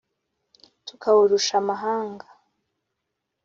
Tukawurusha amahanga